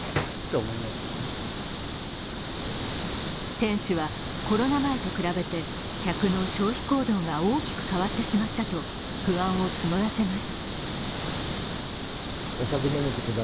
店主はコロナ前と比べて客の消費行動が大きく変わってしまったと、不安を募らせます。